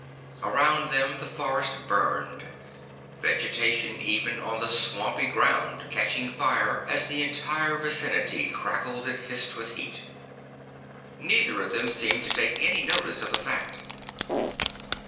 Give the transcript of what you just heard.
Around them the forest burned, vegetation even on the swampy ground catching fire as the entire vicinity crackled and hissed with heat. Neither of them seemed to take any notice of the fact.